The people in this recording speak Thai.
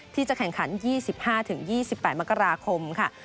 ที่จะแข่งขัน๒๕๒๘มกราคมค่ะ